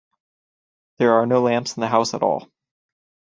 There are no lamps in the house at all.